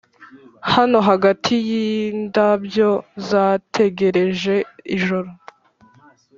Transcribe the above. hano hagati yindabyo zategereje ijoro.